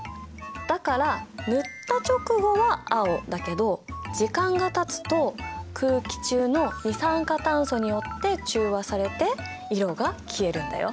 だから塗った直後は青だけど時間がたつと空気中の二酸化炭素によって中和されて色が消えるんだよ。